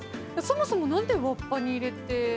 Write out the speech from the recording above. そもそも何でわっぱに入れて。